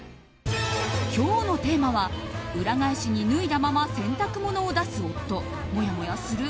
今日のテーマは裏返しに脱いだまま洗濯物を出す夫もやもやする？